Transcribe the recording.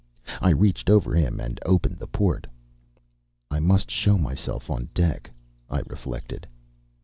I reached over him and opened the port. "I must show myself on deck," I reflected.